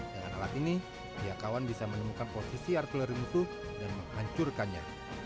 dengan alat ini pihak kawan bisa menemukan posisi artileri musuh dan menghancurkannya